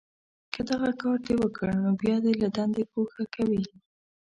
که دغه کار دې وکړ، نو بیا دې له دندې گوښه کوي